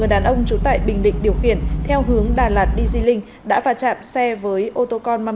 đàn ông trú tại bình định điều khiển theo hướng đà lạt đi di linh đã vào chạm xe với ô tô con mang